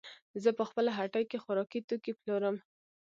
زه په خپله هټۍ کې خوراکي توکې پلورم.